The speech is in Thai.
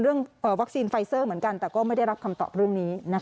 เรื่องวัคซีนไฟเซอร์เหมือนกันแต่ก็ไม่ได้รับคำตอบเรื่องนี้